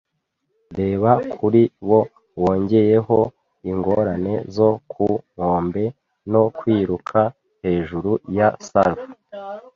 reba kuri bo, wongeyeho ingorane zo ku nkombe no kwiruka hejuru ya surf,